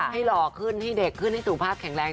หล่อขึ้นให้เด็กขึ้นให้สุขภาพแข็งแรง